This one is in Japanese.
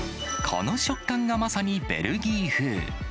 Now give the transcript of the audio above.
この食感がまさにベルギー風。